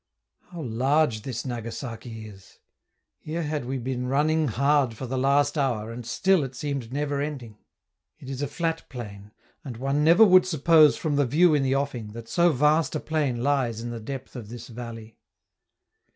How large this Nagasaki is! Here had we been running hard for the last hour, and still it seemed never ending. It is a flat plain, and one never would suppose from the view in the offing that so vast a plain lies in the depth of this valley.